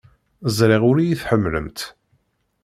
Ẓriɣ ur iyi-tḥemmlemt.